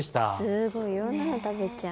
すごいいろんなの食べちゃう。